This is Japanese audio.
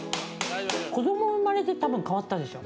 子ども生まれて多分、変わったでしょ。